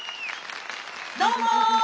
どうも！